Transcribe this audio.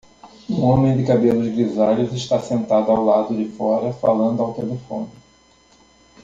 Um homem de cabelos grisalhos está sentado do lado de fora falando ao telefone.